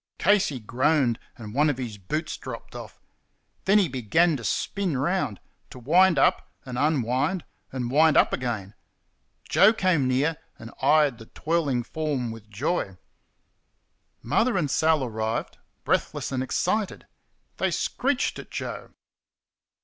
Casey groaned, and one of his boots dropped off. Then he began to spin round to wind up and unwind and wind up again. Joe came near and eyed the twirling form with joy. Mother and Sal arrived, breathless and excited. They screeched at Joe.